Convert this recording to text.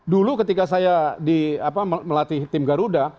dulu ketika saya melatih tim garuda